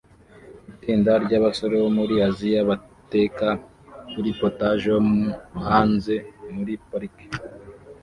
Itsinda ryabasore bo muri Aziya bateka kuri POTAGE yo hanze muri parike